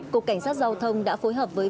cục cảnh sát giao thông đã phối hợp với